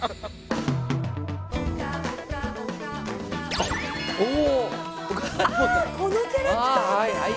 あこのキャラクターか！